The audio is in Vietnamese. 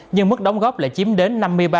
nhưng mức đóng góp lại chiếm đến